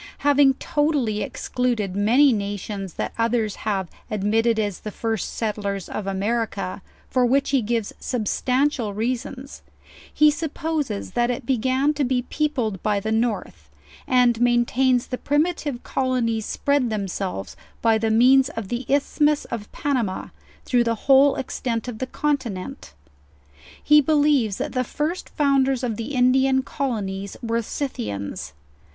Having total ly excluded many nations that others have admitted as the first settlers of America, for which he gives substantial rea sons, he supposes that it began to be peopled by the north; and maintains the priir.ative colonies spread themselves by the means of the isthmus of Panama, through the whole ex tent of the continent. He believes that the first founders of the Indian colonies were Scythians.